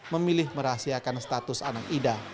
memilih merahasiakan status anak ida